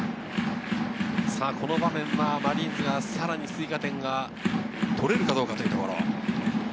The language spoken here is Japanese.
この場面はマリーンズがさらに追加点を取れるかどうかというところ。